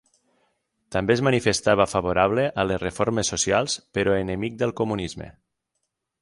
També es manifestava favorable a les reformes socials però enemic del comunisme.